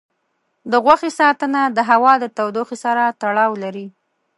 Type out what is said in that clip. د غوښې ساتنه د هوا د تودوخې سره تړاو لري.